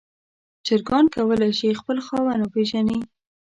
چرګان کولی شي خپل خاوند وپیژني.